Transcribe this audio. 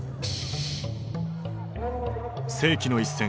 世紀の一戦